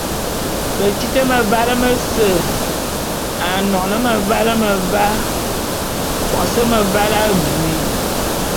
Betit mevale mese, anon meval meva, kos meval abui.